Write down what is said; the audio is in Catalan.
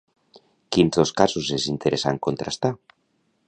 Quins dos casos és interessant contrastar?